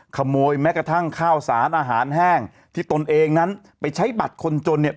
แม้กระทั่งข้าวสารอาหารแห้งที่ตนเองนั้นไปใช้บัตรคนจนเนี่ย